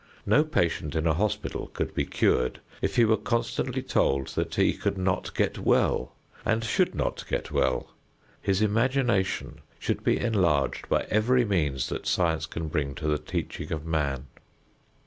No patient in a hospital could be cured if he were constantly told that he could not get well and should not get well. His imagination should be enlarged by every means that science can bring to the teaching of man.